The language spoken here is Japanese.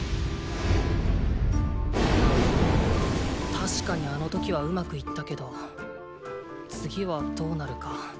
確かにあの時はうまくいったけど次はどうなるか。